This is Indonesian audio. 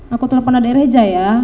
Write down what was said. aku telepon adik reja ya